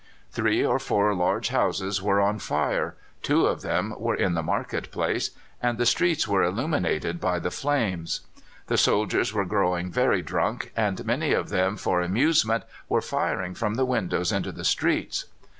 Three or four large houses were on fire two of them were in the market place and the streets were illuminated by the flames. The soldiers were growing very drunk, and many of them for amusement were firing from the windows into the streets.